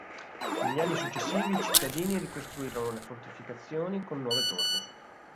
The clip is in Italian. Negli anni successivi i cittadini ricostruirono le fortificazioni con nuove torri.